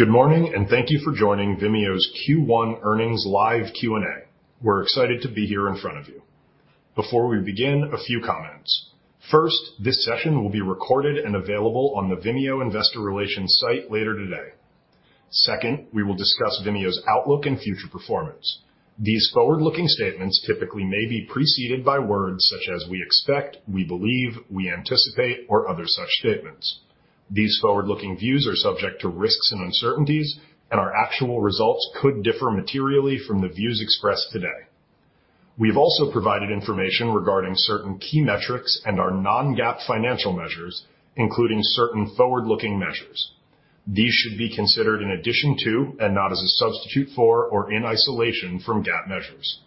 Good morning, and thank you for joining Vimeo's Q1 earnings live Q&A. We're excited to be here in front of you. Before we begin, a few comments. First, this session will be recorded and available on the Vimeo Investor Relations site later today. Second, we will discuss Vimeo's outlook and future performance. These forward-looking statements typically may be preceded by words such as: we expect, we believe, we anticipate, or other such statements. These forward-looking views are subject to risks and uncertainties, and our actual results could differ materially from the views expressed today. We've also provided information regarding certain key metrics and our non-GAAP financial measures, including certain forward-looking measures. These should be considered in addition to and not as a substitute for or in isolation from GAAP measures.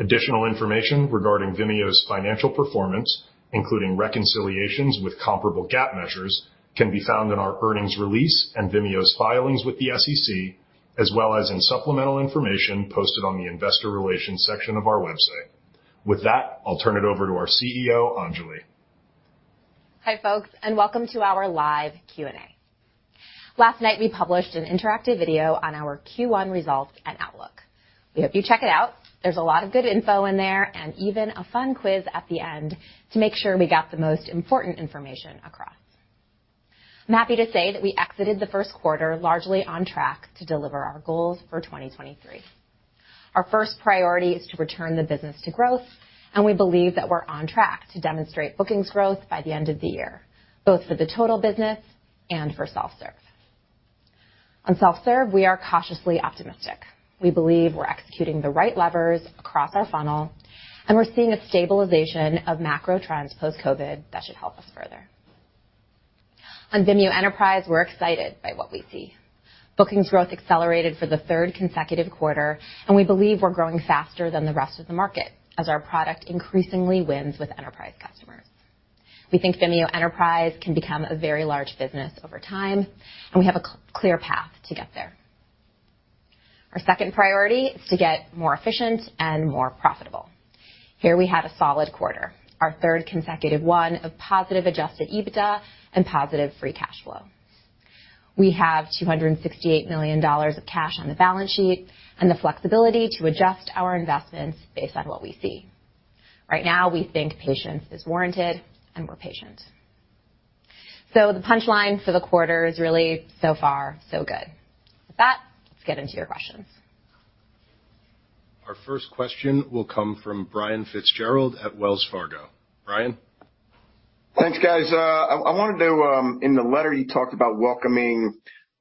Additional information regarding Vimeo's financial performance, including reconciliations with comparable GAAP measures, can be found in our earnings release and Vimeo's filings with the SEC, as well as in supplemental information posted on the investor relations section of our website. With that, I'll turn it over to our CEO, Anjali. Hi, folks, welcome to our live Q&A. Last night, we published an interactive video on our Q1 results and outlook. We hope you check it out. There's a lot of good info in there and even a fun quiz at the end to make sure we got the most important information across. I'm happy to say that we exited the first quarter largely on track to deliver our goals for 2023. Our first priority is to return the business to growth. We believe that we're on track to demonstrate bookings growth by the end of the year, both for the total business and for self-serve. On self-serve, we are cautiously optimistic. We believe we're executing the right levers across our funnel. We're seeing a stabilization of macro trends post-COVID that should help us further. On Vimeo Enterprise, we're excited by what we see. Bookings growth accelerated for the third consecutive quarter, we believe we're growing faster than the rest of the market as our product increasingly wins with Enterprise customers. We think Vimeo Enterprise can become a very large business over time, we have a clear path to get there. Our second priority is to get more efficient and more profitable. Here we have a solid quarter, our third consecutive one of positive Adjusted EBITDA and positive free cash flow. We have $268 million of cash on the balance sheet, the flexibility to adjust our investments based on what we see. Right now, we think patience is warranted, we're patient. The punchline for the quarter is really so far, so good. With that, let's get into your questions. Our first question will come from Brian Fitzgerald at Wells Fargo. Brian? Thanks, guys. I wanted to, in the letter you talked about welcoming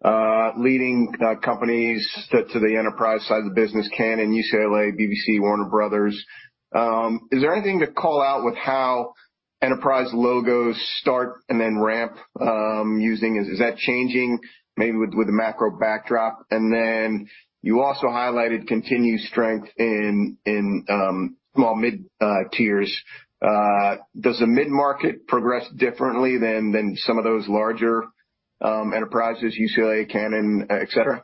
leading companies to the enterprise side of the business, Canon, UCLA, BBC, Warner Bros.. Is there anything to call out with how enterprise logos start and then ramp using? Is that changing maybe with the macro backdrop? You also highlighted continued strength in well, mid tiers. Does the mid-market progress differently than some of those larger enterprises, UCLA, Canon, et cetera?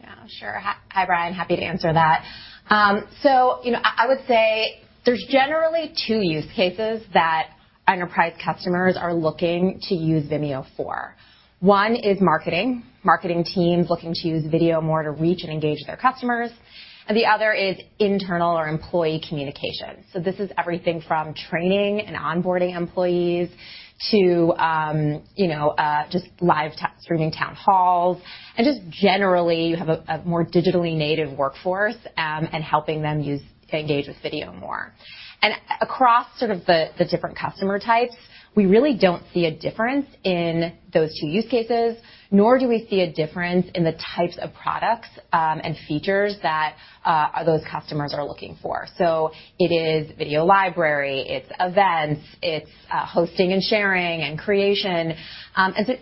Yeah, sure. Hi, Brian. Happy to answer that. You know, I would say there's generally two use cases that enterprise customers are looking to use Vimeo for. One is marketing teams looking to use video more to reach and engage their customers, and the other is internal or employee communications. This is everything from training and onboarding employees to, you know, just live streaming town halls and just generally you have a more digitally native workforce, and helping them to engage with video more. Across sort of the different customer types, we really don't see a difference in those two use cases, nor do we see a difference in the types of products and features that those customers are looking for. It is video library, it's events, it's hosting and sharing and creation.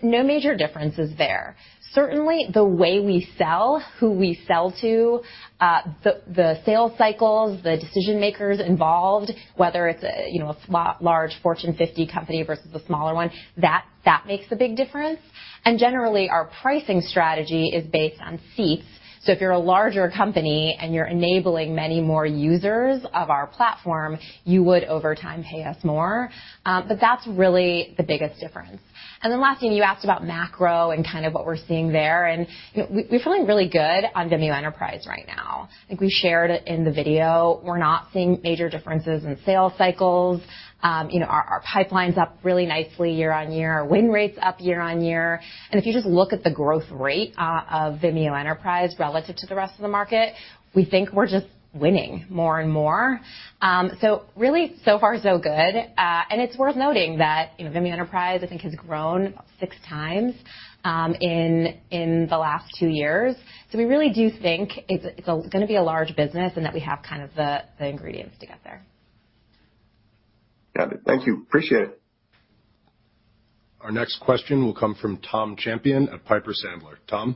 No major differences there. Certainly, the way we sell, who we sell to, the sales cycles, the decision-makers involved, whether it's, you know, a large Fortune 50 company versus a smaller one, that makes a big difference. Generally, our pricing strategy is based on seats. If you're a larger company and you're enabling many more users of our platform, you would over time pay us more. That's really the biggest difference. Last thing, you asked about macro and kind of what we're seeing there, and, you know, we're feeling really good on Vimeo Enterprise right now. I think we shared in the video we're not seeing major differences in sales cycles. You know, our pipeline's up really nicely year-on-year. Our win rate's up year-on-year. If you just look at the growth rate of Vimeo Enterprise relative to the rest of the market, we think we're just winning more and more. Really, so far so good. It's worth noting that, you know, Vimeo Enterprise, I think has grown about 6 times in the last 2 years. We really do think it's gonna be a large business and that we have kind of the ingredients to get there. Got it. Thank you. Appreciate it. Our next question will come from Thomas Champion at Piper Sandler. Tom?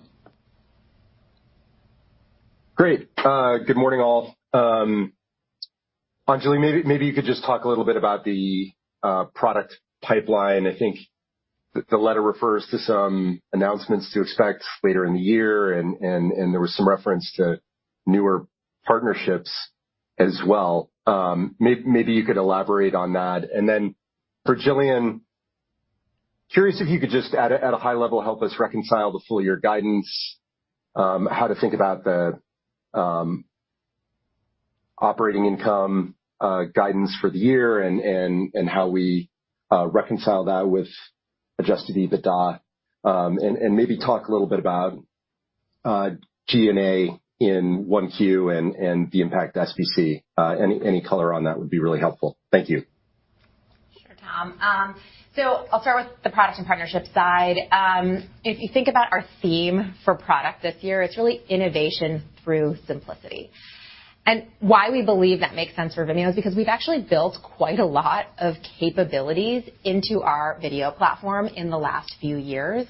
Great. Good morning, all. Anjali, maybe you could just talk a little bit about the product pipeline. I think the letter refers to some announcements to expect later in the year and there was some reference to newer partnerships as well. Maybe you could elaborate on that. For Gillian, curious if you could just at a high level, help us reconcile the full year guidance, how to think about the operating income guidance for the year and how we reconcile that with Adjusted EBITDA. And maybe talk a little bit about G&A in 1Q and the impact SBC. Any color on that would be really helpful. Thank you. Sure, Tom. I'll start with the product and partnership side. Why we believe that makes sense for Vimeo is because we've actually built quite a lot of capabilities into our video platform in the last few years.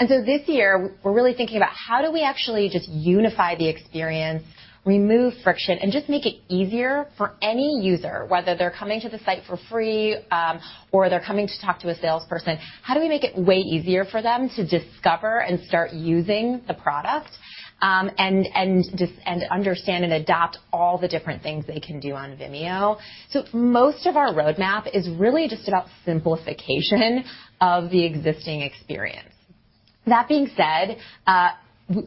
This year, we're really thinking about how do we actually just unify the experience, remove friction, and just make it easier for any user, whether they're coming to the site for free, or they're coming to talk to a salesperson. How do we make it way easier for them to discover and start using the product, and understand and adopt all the different things they can do on Vimeo? Most of our roadmap is really just about simplification of the existing experience. That being said,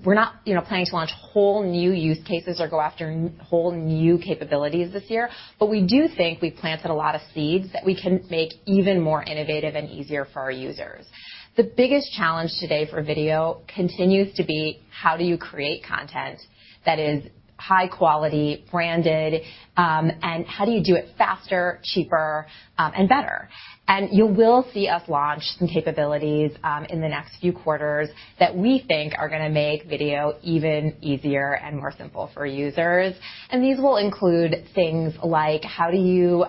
we're not, you know, planning to launch whole new use cases or go after whole new capabilities this year, but we do think we've planted a lot of seeds that we can make even more innovative and easier for our users. The biggest challenge today for video continues to be how do you create content that is high quality, branded, and how do you do it faster, cheaper, and better? You will see us launch some capabilities in the next few quarters that we think are gonna make video even easier and more simple for users. These will include things like how do you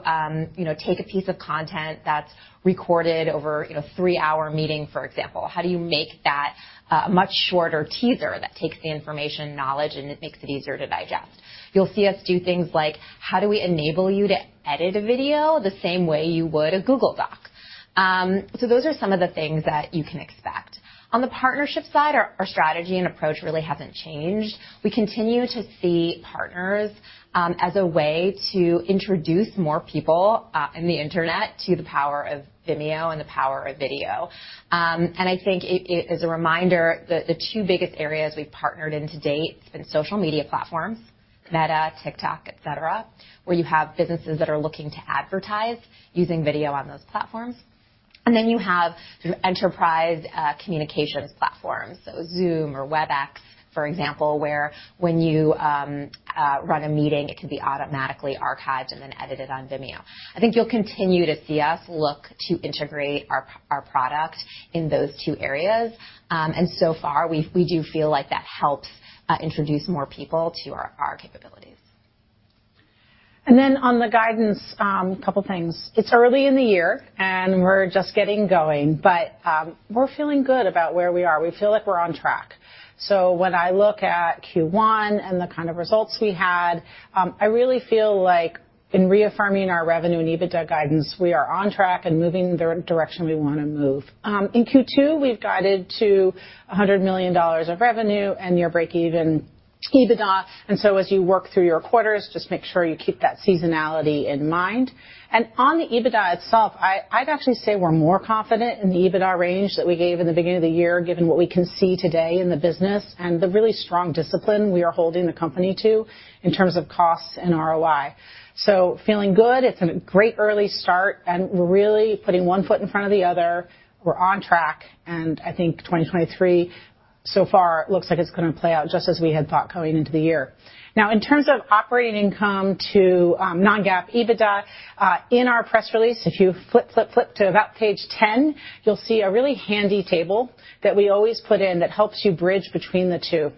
know, take a piece of content that's recorded over, you know, a 3-hour meeting, for example. How do you make that a much shorter teaser that takes the information, knowledge, and it makes it easier to digest? You'll see us do things like how do we enable you to edit a video the same way you would a Google Docs. Those are some of the things that you can expect. On the partnership side, our strategy and approach really haven't changed. We continue to see partners as a way to introduce more people in the Internet to the power of Vimeo and the power of video. I think it as a reminder, the two biggest areas we've partnered in to date have been social media platforms, Meta, TikTok, et cetera, where you have businesses that are looking to advertise using video on those platforms. Then you have enterprise communications platforms, so Zoom or Webex, for example, where when you run a meeting, it can be automatically archived and then edited on Vimeo. I think you'll continue to see us look to integrate our product in those two areas. So far, we do feel like that helps introduce more people to our capabilities. On the guidance, couple things. It's early in the year, and we're just getting going. We're feeling good about where we are. We feel like we're on track. When I look at Q1 and the kind of results we had, I really feel like in reaffirming our revenue and EBITDA guidance, we are on track and moving the direction we wanna move. In Q2, we've guided to $100 million of revenue and near breakeven EBITDA. As you work through your quarters, just make sure you keep that seasonality in mind. On the EBITDA itself, I'd actually say we're more confident in the EBITDA range that we gave in the beginning of the year, given what we can see today in the business and the really strong discipline we are holding the company to in terms of costs and ROI. Feeling good. It's a great early start, we're really putting one foot in front of the other. We're on track, I think 2023 so far looks like it's gonna play out just as we had thought coming into the year. In terms of operating income to non-GAAP EBITDA, in our press release, if you flip to about page 10, you'll see a really handy table that we always put in that helps you bridge between the two.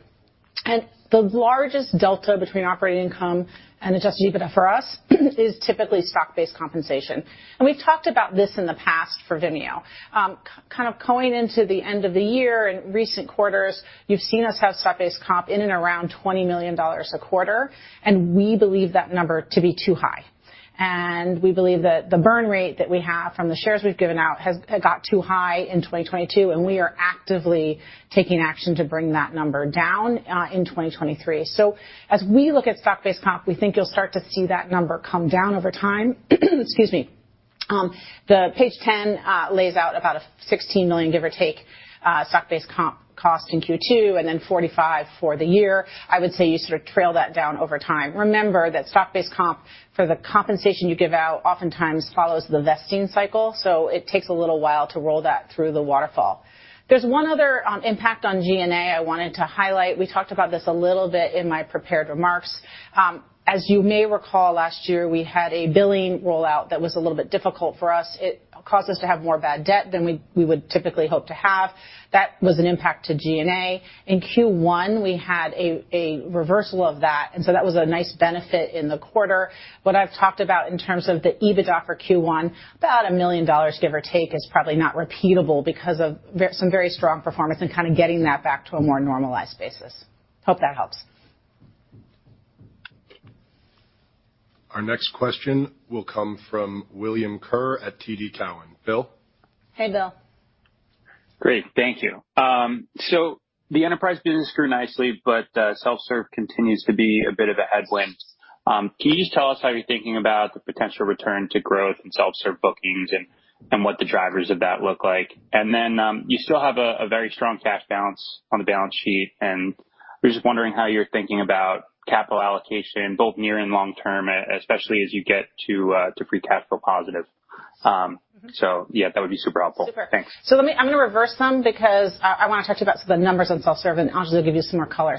The largest delta between operating income and Adjusted EBITDA for us is typically stock-based compensation. We've talked about this in the past for Vimeo. Kind of going into the end of the year and recent quarters, you've seen us have stock-based comp in and around $20 million a quarter. We believe that number to be too high. We believe that the burn rate that we have from the shares we've given out has got too high in 2022. We are actively taking action to bring that number down in 2023. As we look at stock-based comp, we think you'll start to see that number come down over time. Excuse me. The page 10 lays out about a $16 million, give or take, stock-based comp cost in Q2. Then $45 million for the year. I would say you sort of trail that down over time. Remember that stock-based comp for the compensation you give out oftentimes follows the vesting cycle, so it takes a little while to roll that through the waterfall. There's one other impact on G&A I wanted to highlight. We talked about this a little bit in my prepared remarks. As you may recall, last year, we had a billing rollout that was a little bit difficult for us. It caused us to have more bad debt than we would typically hope to have. That was an impact to G&A. In Q1, we had a reversal of that. That was a nice benefit in the quarter. What I've talked about in terms of the EBITDA for Q1, about $1 million, give or take, is probably not repeatable because of some very strong performance and kinda getting that back to a more normalized basis. Hope that helps. Our next question will come from William Kerr at TD Cowen. Bill? Hey, Bill. Great. Thank you. The enterprise business grew nicely, but self-serve continues to be a bit of a headwind. Can you just tell us how you're thinking about the potential return to growth in self-serve bookings and what the drivers of that look like? You still have a very strong cash balance on the balance sheet, and we're just wondering how you're thinking about capital allocation, both near and long term, especially as you get to free cash flow positive. Yeah, that would be super helpful. Super. Thanks. Let me reverse some because I wanna talk to you about some the numbers on self-serve, Anjali will give you some more color.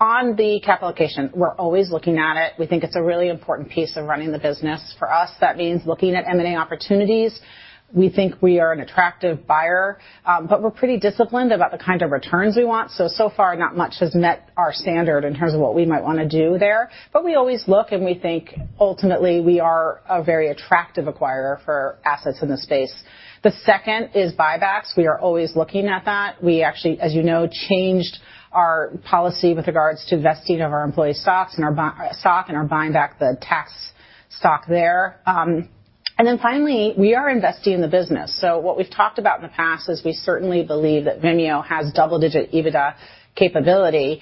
On the capital allocation, we're always looking at it. We think it's a really important piece of running the business. For us, that means looking at M&A opportunities. We think we are an attractive buyer, we're pretty disciplined about the kind of returns we want. So far not much has met our standard in terms of what we might wanna do there. We always look, we think ultimately we are a very attractive acquirer for assets in the space. The second is buybacks. We are always looking at that. We actually, as you know, changed our policy with regards to vesting of our employee stocks and our stock and are buying back the tax stock there. Finally, we are investing in the business. What we've talked about in the past is we certainly believe that Vimeo has double-digit EBITDA capability,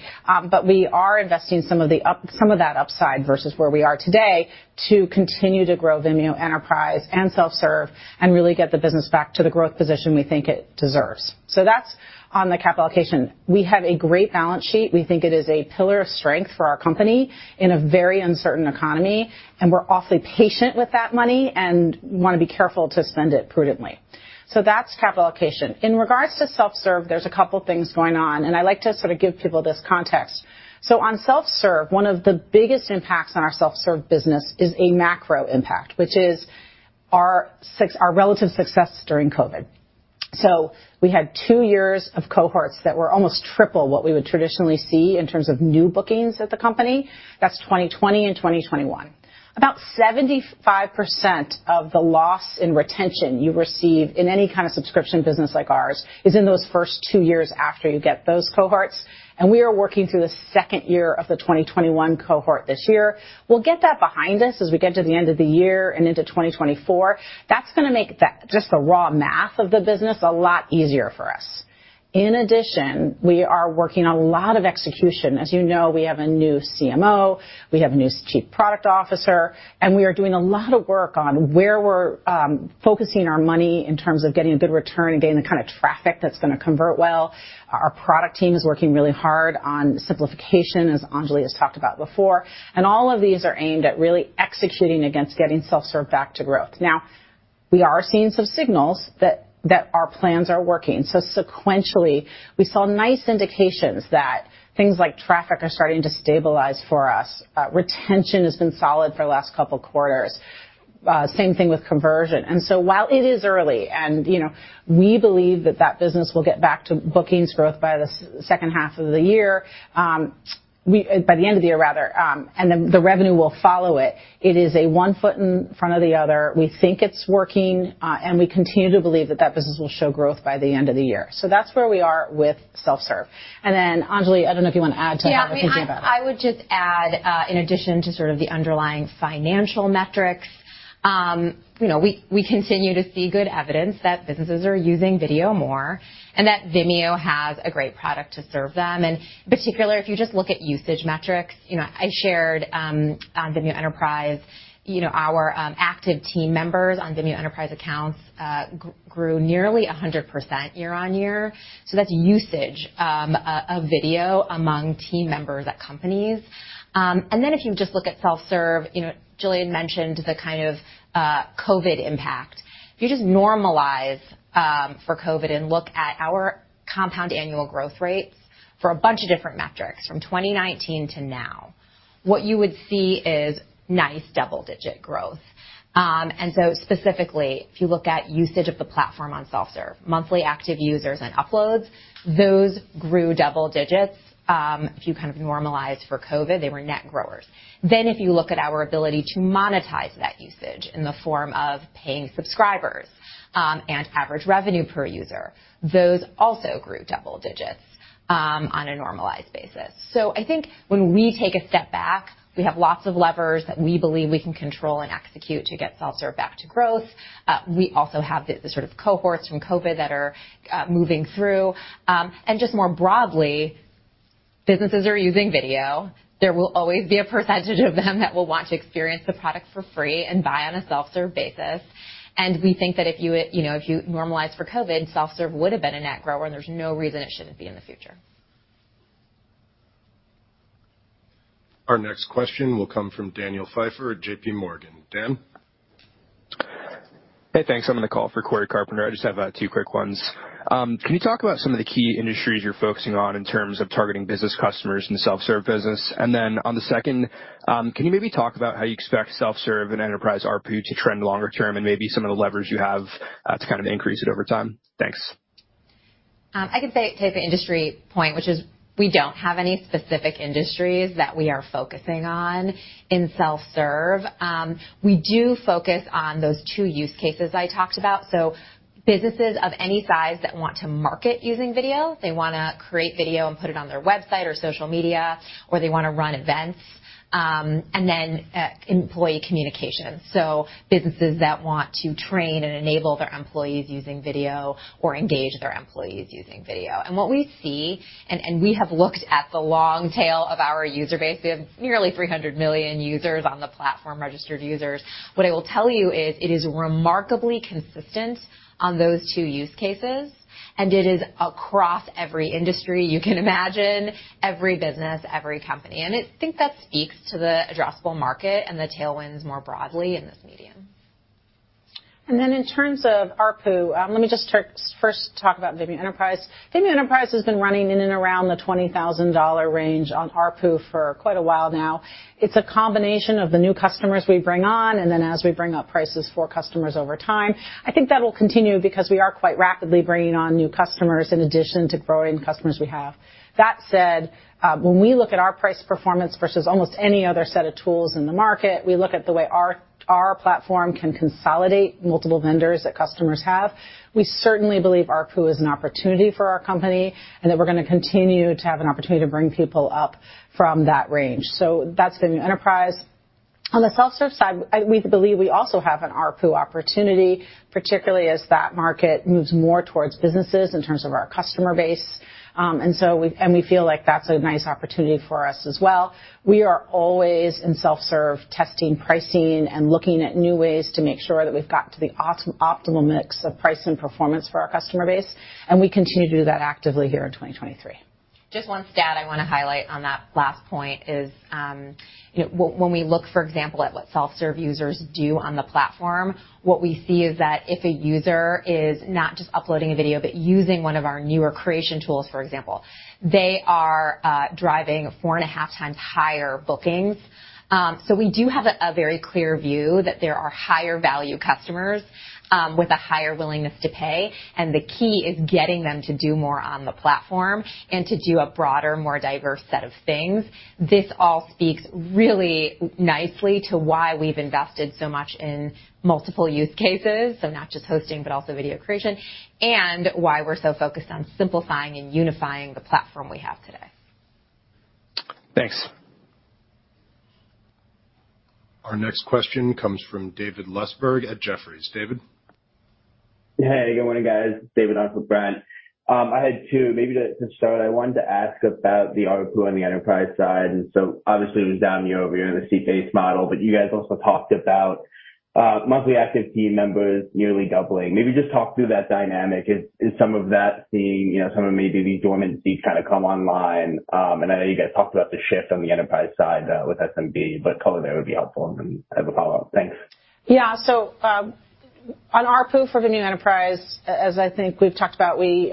but we are investing some of that upside versus where we are today to continue to grow Vimeo Enterprise and self-serve and really get the business back to the growth position we think it deserves. That's on the capital allocation. We have a great balance sheet. We think it is a pillar of strength for our company in a very uncertain economy, and we're awfully patient with that money and wanna be careful to spend it prudently. That's capital allocation. In regards to self-serve, there's a couple things going on, and I like to sort of give people this context. On self-serve, one of the biggest impacts on our self-serve business is a macro impact, which is our relative success during COVID. We had 2 years of cohorts that were almost 3x what we would traditionally see in terms of new bookings at the company. That's 2020 and 2021. About 75% of the loss in retention you receive in any kind of subscription business like ours is in those first 2 years after you get those cohorts, and we are working through the second year of the 2021 cohort this year. We'll get that behind us as we get to the end of the year and into 2024. That's gonna make that, just the raw math of the business, a lot easier for us. In addition, we are working a lot of execution. As you know, we have a new CMO, we have a new chief product officer, and we are doing a lot of work on where we're focusing our money in terms of getting a good return and getting the kind of traffic that's gonna convert well. Our product team is working really hard on simplification, as Anjali has talked about before. All of these are aimed at really executing against getting self-serve back to growth. We are seeing some signals that our plans are working. Sequentially, we saw nice indications that things like traffic are starting to stabilize for us. Retention has been solid for the last couple quarters. Same thing with conversion. While it is early and, you know, we believe that that business will get back to bookings growth by the second half of the year, By the end of the year rather, the revenue will follow it. It is a one foot in front of the other. We think it's working, and we continue to believe that that business will show growth by the end of the year. That's where we are with self-serve. Anjali, I don't know if you wanna add to that or how you're thinking about that. Yeah. I mean, I would just add, in addition to sort of the underlying financial metrics, you know, we continue to see good evidence that businesses are using video more and that Vimeo has a great product to serve them. In particular, if you just look at usage metrics, you know, I shared on Vimeo Enterprise, you know, our active team members on Vimeo Enterprise accounts grew nearly 100% year on year. That's usage of video among team members at companies. Then if you just look at self-serve, you know, Jillian mentioned the kind of COVID impact. If you just normalize for COVID and look at our compound annual growth rates for a bunch of different metrics from 2019 to now, what you would see is nice double-digit growth. Specifically, if you look at usage of the platform on self-serve, monthly active users and uploads, those grew double digits. If you kind of normalized for COVID, they were net growers. If you look at our ability to monetize that usage in the form of paying subscribers, and average revenue per user, those also grew double digits on a normalized basis. I think when we take a step back, we have lots of levers that we believe we can control and execute to get self-serve back to growth. We also have the sort of cohorts from COVID that are moving through. Just more broadly, businesses are using video. There will always be a percentage of them that will want to experience the product for free and buy on a self-serve basis. We think that if you know, if you normalize for COVID, self-serve would've been a net grower, and there's no reason it shouldn't be in the future. Our next question will come from Daniel Pfeiffer at JPMorgan. Dan? Hey, thanks. I'm gonna call for Corey Carpenter. I just have two quick ones. Can you talk about some of the key industries you're focusing on in terms of targeting business customers in the self-serve business? On the second, can you maybe talk about how you expect self-serve and enterprise ARPU to trend longer term and maybe some of the levers you have to kind of increase it over time? Thanks. I could say, take the industry point, which is we don't have any specific industries that we are focusing on in self-serve. We do focus on those two use cases I talked about. Businesses of any size that want to market using video, they wanna create video and put it on their website or social media, or they wanna run events, and then employee communication. Businesses that want to train and enable their employees using video or engage their employees using video. What we see, and we have looked at the long tail of our user base. We have nearly 300 million users on the platform, registered users. What I will tell you is it is remarkably consistent on those two use cases, and it is across every industry you can imagine, every business, every company. I think that speaks to the addressable market and the tailwinds more broadly in this medium. In terms of ARPU, let me first talk about Vimeo Enterprise. Vimeo Enterprise has been running in and around the $20,000 range on ARPU for quite a while now. It's a combination of the new customers we bring on, and then as we bring up prices for customers over time. I think that'll continue because we are quite rapidly bringing on new customers in addition to growing customers we have. That said, when we look at our price performance versus almost any other set of tools in the market, we look at the way our platform can consolidate multiple vendors that customers have. We certainly believe ARPU is an opportunity for our company and that we're gonna continue to have an opportunity to bring people up from that range. That's Vimeo Enterprise. On the self-serve side, we believe we also have an ARPU opportunity, particularly as that market moves more towards businesses in terms of our customer base. We feel like that's a nice opportunity for us as well. We are always in self-serve testing pricing and looking at new ways to make sure that we've got to the opt-optimal mix of price and performance for our customer base. We continue to do that actively here in 2023. Just one stat I wanna highlight on that last point is, you know, when we look, for example, at what self-serve users do on the platform, what we see is that if a user is not just uploading a video, but using one of our newer creation tools, for example, they are driving four and a half times higher bookings. We do have a very clear view that there are higher value customers with a higher willingness to pay, and the key is getting them to do more on the platform and to do a broader, more diverse set of things. This all speaks really nicely to why we've invested so much in multiple use cases, not just hosting, but also video creation, and why we're so focused on simplifying and unifying the platform we have today. Thanks. Our next question comes from David Lustberg at Jefferies. David? Hey, good morning, guys. David on for Brad. I had two. Maybe to start, I wanted to ask about the ARPU on the enterprise side. Obviously it was down year-over-year on the seat-based model, but you guys also talked about monthly active team members nearly doubling. Maybe just talk through that dynamic. Is some of that seeing, you know, some of maybe the dormant seats kinda come online? I know you guys talked about the shift on the enterprise side with SMB, but color there would be helpful. I have a follow-up. Thanks. Yeah. On ARPU for Vimeo Enterprise, as I think we've talked about, we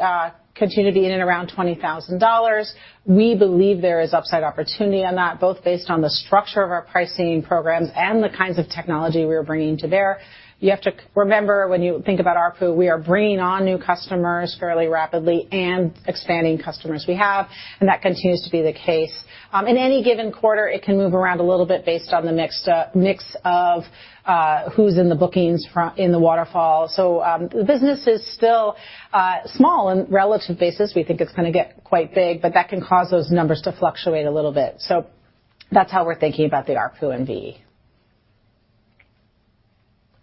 continue to be in and around $20,000. We believe there is upside opportunity on that, both based on the structure of our pricing programs and the kinds of technology we are bringing to bear. You have to remember when you think about ARPU, we are bringing on new customers fairly rapidly and expanding customers we have, and that continues to be the case. In any given quarter, it can move around a little bit based on the next mix of who's in the bookings in the waterfall. The business is still small on a relative basis. We think it's gonna get quite big, but that can cause those numbers to fluctuate a little bit. That's how we're thinking about the ARPU in VE.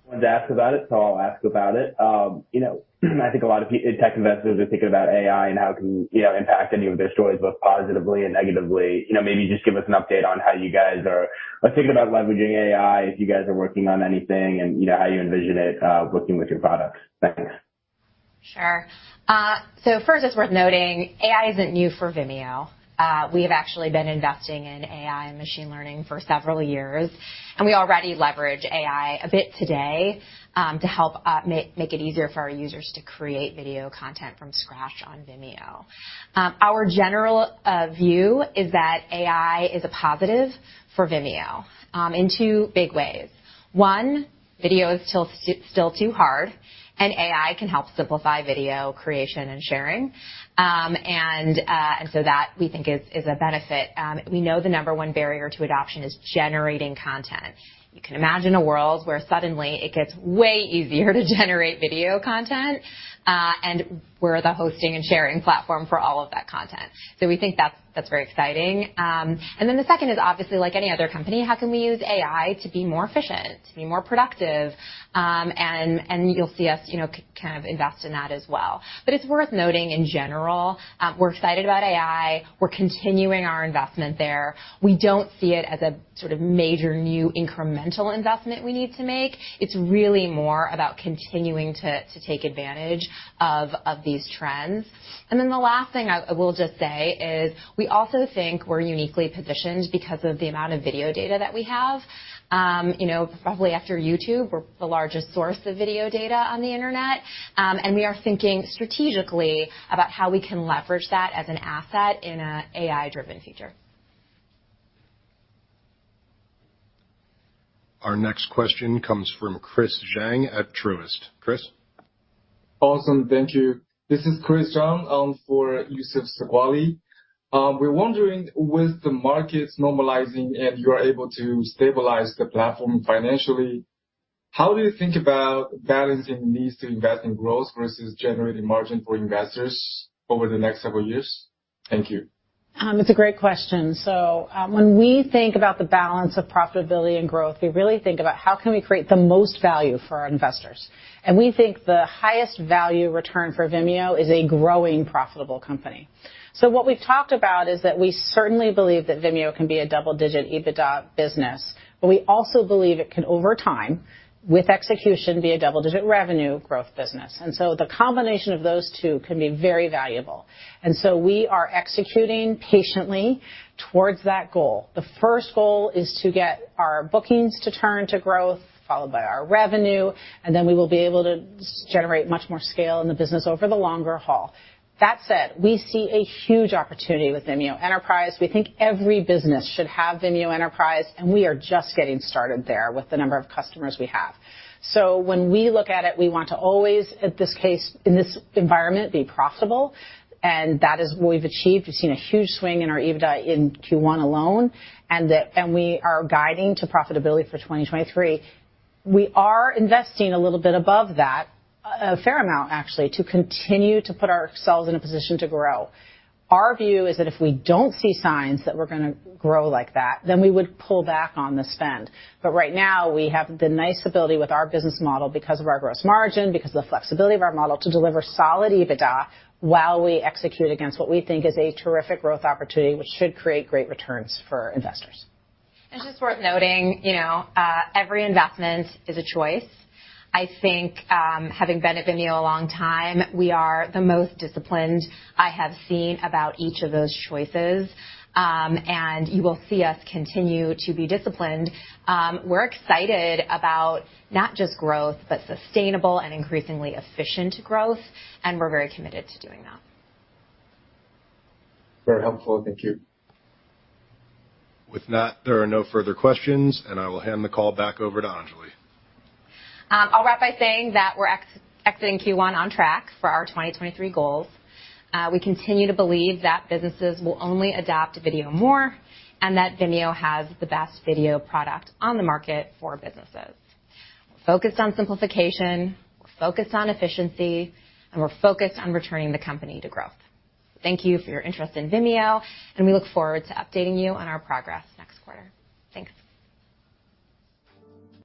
Wanted to ask about it. I'll ask about it. You know, I think a lot of tech investors are thinking about AI and how it can, you know, impact any of their stories both positively and negatively. You know, maybe just give us an update on how you guys are thinking about leveraging AI, if you guys are working on anything and, you know, how you envision it working with your products. Thanks. Sure. First, it's worth noting AI isn't new for Vimeo. We have actually been investing in AI and machine learning for several years, and we already leverage AI a bit today, to help make it easier for our users to create video content from scratch on Vimeo. Our general view is that AI is a positive for Vimeo, in 2 big ways. 1, video is still too hard, and AI can help simplify video creation and sharing. That we think is a benefit. We know the number 1 barrier to adoption is generating content. You can imagine a world where suddenly it gets way easier to generate video content, and we're the hosting and sharing platform for all of that content. We think that's very exciting. The second is obviously like any other company, how can we use AI to be more efficient, to be more productive? You'll see us, you know, kind of invest in that as well. It's worth noting in general, we're excited about AI. We're continuing our investment there. We don't see it as a sort of major new incremental investment we need to make. It's really more about continuing to take advantage of these trends. The last thing I will just say is we also think we're uniquely positioned because of the amount of video data that we have. You know, probably after YouTube, we're the largest source of video data on the internet, and we are thinking strategically about how we can leverage that as an asset in a AI-driven future. Our next question comes from Christopher Zhang at Truist. Chris? Awesome. Thank you. This is Christopher Zhang for Youssef Squali. We're wondering, with the markets normalizing and you are able to stabilize the platform financially, how do you think about balancing needs to invest in growth versus generating margin for investors over the next several years? Thank you. It's a great question. When we think about the balance of profitability and growth, we really think about how can we create the most value for our investors. We think the highest value return for Vimeo is a growing profitable company. What we've talked about is that we certainly believe that Vimeo can be a double-digit EBITDA business, but we also believe it can, over time, with execution, be a double-digit revenue growth business. The combination of those two can be very valuable. We are executing patiently towards that goal. The first goal is to get our bookings to turn to growth, followed by our revenue, and then we will be able to generate much more scale in the business over the longer haul. We see a huge opportunity with Vimeo Enterprise. We think every business should have Vimeo Enterprise, we are just getting started there with the number of customers we have. When we look at it, we want to always, at this case, in this environment, be profitable, and that is what we've achieved. We've seen a huge swing in our EBITDA in Q1 alone, we are guiding to profitability for 2023. We are investing a little bit above that, a fair amount actually, to continue to put ourselves in a position to grow. Our view is that if we don't see signs that we're gonna grow like that, we would pull back on the spend. Right now, we have the nice ability with our business model because of our gross margin, because of the flexibility of our model to deliver solid EBITDA while we execute against what we think is a terrific growth opportunity, which should create great returns for investors. Just worth noting, you know, every investment is a choice. I think, having been at Vimeo a long time, we are the most disciplined I have seen about each of those choices. You will see us continue to be disciplined. We're excited about not just growth, but sustainable and increasingly efficient growth, and we're very committed to doing that. Very helpful. Thank you. With that, there are no further questions. I will hand the call back over to Anjali. I'll wrap by saying that we're exiting Q1 on track for our 2023 goals. We continue to believe that businesses will only adopt video more, and that Vimeo has the best video product on the market for businesses. We're focused on simplification, we're focused on efficiency, and we're focused on returning the company to growth. Thank you for your interest in Vimeo, and we look forward to updating you on our progress next quarter. Thanks.